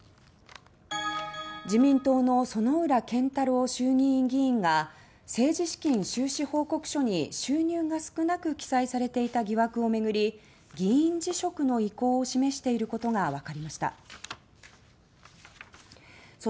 自民党の薗浦健太郎衆議院議員が政治資金収支報告書に収入が少なく記載されていた疑惑を巡り議員辞職の意向を示していることがわかりました。